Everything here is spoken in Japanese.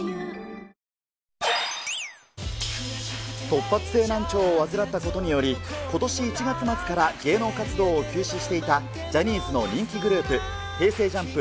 突発性難聴を患ったことにより、ことし１月末から芸能活動を休止していたジャニーズの人気グループ、Ｈｅｙ！